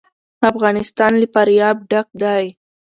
افغانستان له فاریاب ډک دی.